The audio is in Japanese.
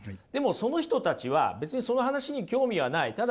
でもその人たちは別にその話に興味はない。